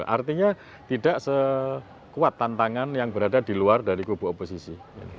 artinya tidak sekuat tantangan yang berada di luar dari kubu oposisi